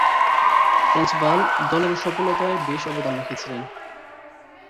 Transvaal দলের সফলতায় বেশ অবদান রেখেছিলেন।